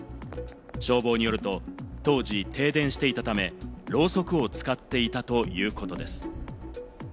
消防によると、当時、停電していたため、ろうそくを使っていたということです。